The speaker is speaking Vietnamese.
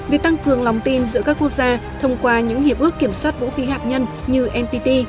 việc tăng cường lòng tin giữa các quốc gia thông qua những hiệp ước kiểm soát vũ khí hạt nhân như npt